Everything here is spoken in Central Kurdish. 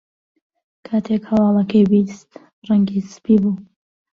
کاتێک هەواڵەکەی بیست، ڕەنگی سپی بوو.